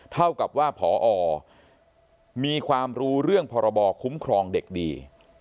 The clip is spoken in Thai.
เท่ากับว่าพอมีความรู้เรื่องพรบคุ้มครองเด็กดี